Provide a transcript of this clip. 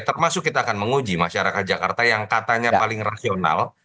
termasuk kita akan menguji masyarakat jakarta yang katanya paling rasional